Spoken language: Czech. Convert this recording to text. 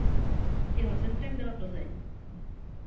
Jeho centrem byla Plzeň.